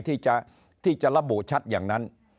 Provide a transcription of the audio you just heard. ที่จะระบุชัดอย่างนั้น